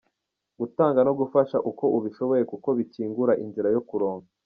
Gutanga no gufasha uko ubishoboye kuko bikingura inzira yo kuronka.